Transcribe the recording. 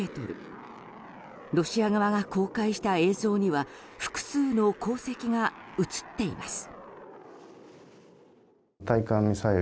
ロシア側が公開した映像には複数の航跡が映っています。